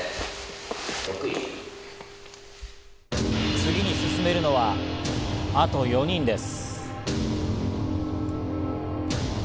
次に進めるのはあと４人です。